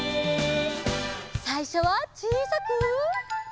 さいしょはちいさく。